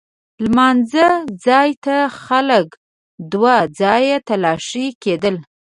لمانځه ځای ته خلک دوه ځایه تلاښي کېدل.